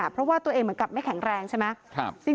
เพราะว่าตัวเองเหมือนกับไม่แข็งแรงใช่ไหม